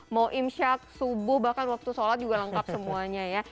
mau imsyak subuh bahkan waktu sholat juga lengkap semuanya ya